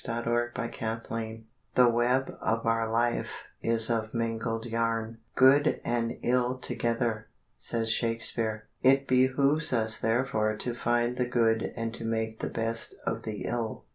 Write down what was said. _ A PHILOSOPHER "The web of our life is of mingled yarn, good and ill together," says Shakespeare. It behooves us therefore to find the good and to make the best of the ill.